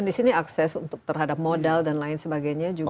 di sini akses untuk terhadap modal dan lain sebagainya juga